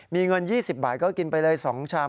มีเงิน๒๐บาทก็กินไปเลย๒ชาม